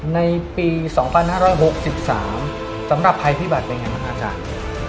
ในปี๒๕๖๓สำหรับภัยพิบัตรเป็นไงบ้างอาจารย์